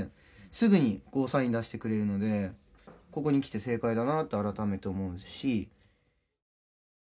すぐにゴーサインを出してくれるのでここに来て正解だなと改めて思うし。